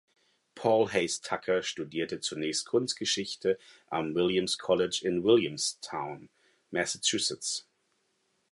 Paul Hayes Tucker studierte zunächst Kunstgeschichte am Williams College in Williamstown (Massachusetts).